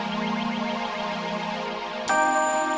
saja dengan kenyataan millionaires